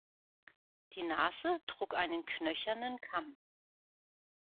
Die Nase trug einen knöchernen Kamm.